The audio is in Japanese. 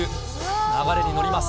流れに乗ります。